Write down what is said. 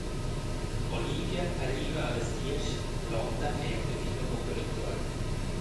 Olivia arriva allas diesch, l’onda ei aunc adina buca dentuorn.